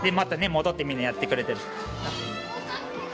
戻ってみんなやってくれている。